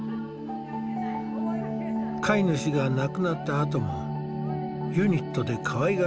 飼い主が亡くなったあともユニットでかわいがられていた。